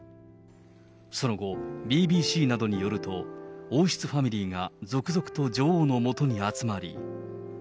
その後、ＢＢＣなどによると、王室ファミリーが続々と女王のもとに集まり。